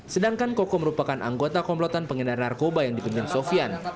sedangkan koko merupakan anggota komplotan pengedar narkoba yang dipimpin sofian